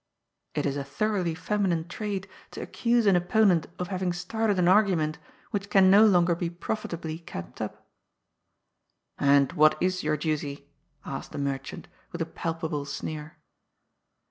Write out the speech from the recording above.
It is a thoroughly feminine trait to accuse an opponent of having started an argument which can no longer be profitably kept up. "And what is your duty?" asked the merchant, with a palpable sneer.